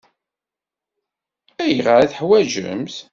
Ayɣer i t-teḥwaǧemt?